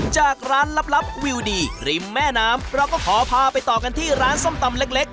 จากร้านลับวิวดีริมแม่น้ำเราก็ขอพาไปต่อกันที่ร้านส้มตำเล็ก